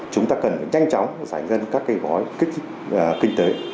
chúng ta cần nhanh chóng giải ngân các cây bói kinh tế